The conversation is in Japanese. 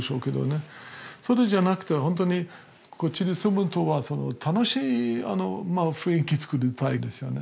それじゃなくて本当にこっちで住むとは楽しい雰囲気作りたいですよね。